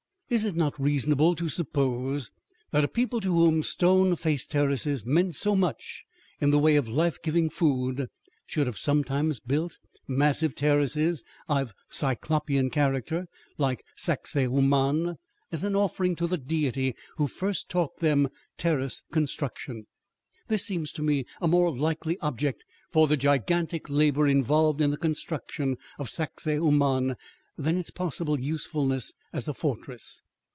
Is it not reasonable to suppose that a people to whom stone faced terraces meant so much in the way of life giving food should have sometimes built massive terraces of Cyclopean character, like Sacsahuaman, as an offering to the deity who first taught them terrace construction? This seems to me a more likely object for the gigantic labor involved in the construction of Sacsahuaman than its possible usefulness as a fortress.